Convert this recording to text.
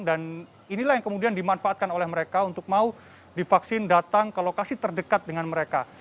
dan inilah yang kemudian dimanfaatkan oleh mereka untuk mau divaksin datang ke lokasi terdekat dengan mereka